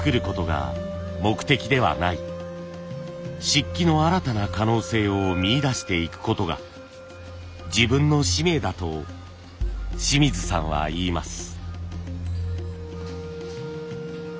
漆器の新たな可能性を見いだしていくことが自分の使命だと清水さんは言います。